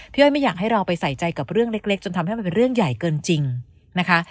อ้อยไม่อยากให้เราไปใส่ใจกับเรื่องเล็กจนทำให้มันเป็นเรื่องใหญ่เกินจริงนะคะ